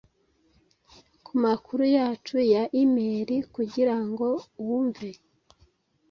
kumakuru yacu ya imeri kugirango wumve